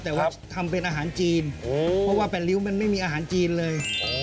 แต่ว่าทำเป็นอาหารจีนเพราะว่า๘ริ้วมันไม่มีอาหารจีนเลย